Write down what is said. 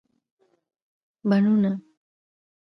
بڼونه